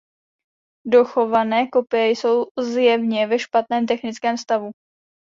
Dochované kopie jsou zjevně ve špatném technickém stavu.